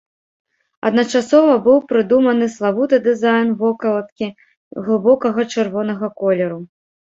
Адначасова быў прыдуманы славуты дызайн вокладкі глыбокага чырвонага колеру.